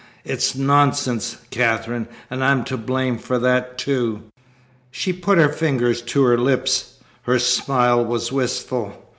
"It's nonsense, Katherine. And I'm to blame for that, too." She put her finger to her lips. Her smile was wistful.